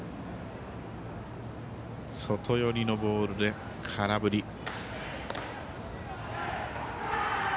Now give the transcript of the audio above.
外寄りのボールで空振り。